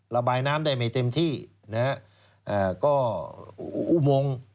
ระบายน้ำได้ไม่เต็มที่นะฮะก็อุโมง